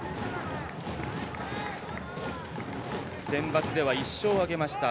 センバツでは１勝を挙げました。